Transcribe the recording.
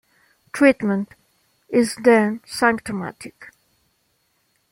Treatment is then symptomatic.